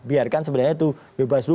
biarkan sebenarnya itu bebas dulu